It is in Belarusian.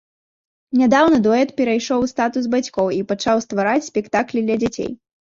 Нядаўна дуэт перайшоў у статус бацькоў і пачаў ствараць спектаклі для дзяцей.